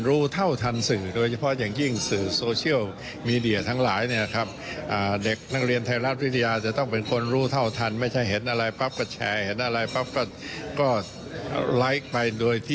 ส่วนทางด้านรองศัตริย์อาจารย์มาลีบุญสิริพันธ์